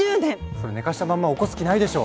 それ寝かしたまんま起こす気ないでしょ？